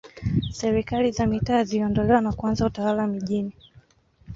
Serikali za mitaa ziliondolewa na kuanza Utawala mijini